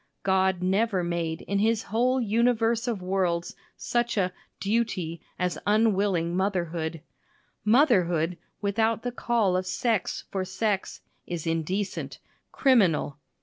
God never made in his whole universe of worlds such a "duty" as unwilling motherhood. Motherhood without the call of sex for sex is indecent criminal.